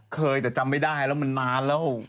เคยแต่จำไม่ได้แล้วมันนานแล้ว